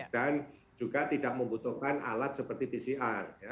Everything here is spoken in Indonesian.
dan juga tidak membutuhkan alat seperti pcr